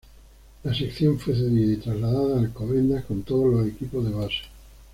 La sección fue cedida y trasladada a Alcobendas con todos los equipos de base.